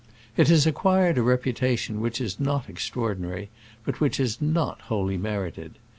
It has acquired a reputation which is not extraordinary, but which is not wholly merited.